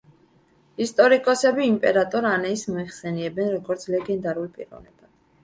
ისტორიკოსები იმპერატორ ანეის მოიხსენიებენ, როგორც ლეგენდალურ პიროვნებად.